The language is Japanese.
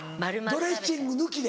ドレッシング抜きで？